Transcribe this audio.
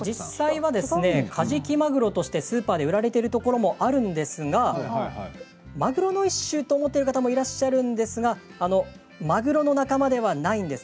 カジキマグロとしてスーパーで売られているところもあるんですがマグロの一種と思っている方も多いんですがまぐろの仲間ではないんです。